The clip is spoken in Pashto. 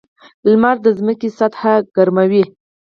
• لمر د ځمکې سطحه ګرموي.